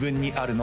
の